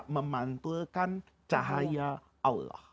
memantulkan cahaya allah